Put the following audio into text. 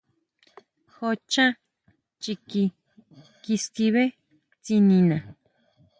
Jo chʼá chikí kiskibé tsinina.